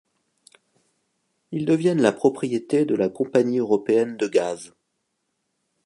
Ils deviennent la propriété de la Compagnie Européenne de Gaz.